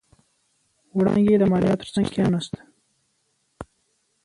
وړانګې د ماريا تر څنګ کېناسته.